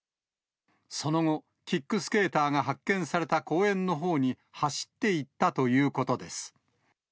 その後、キックスケーターが発見された公園のほうに走っていったということです。